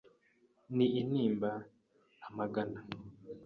Ni intimba amagana